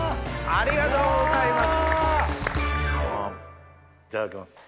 ありがとうございます。